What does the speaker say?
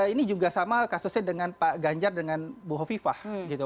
ini juga sama kasusnya dengan pak ganjar dengan bu hovifah gitu